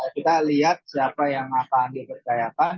kita lihat siapa yang akan dipercayakan